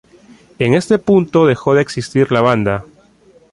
En este punto dejó de existir la banda.